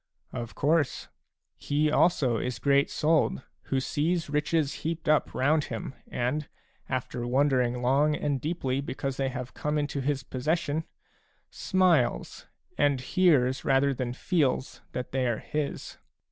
" Of course ; he also is great souled, who sees riches heaped up round him and, after wondering long and deeply because they have come into his possession, smiles, and hears rather than feels that they are his.